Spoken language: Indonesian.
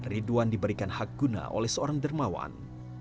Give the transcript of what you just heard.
ridwan diberikan hak guna oleh seorang dermawan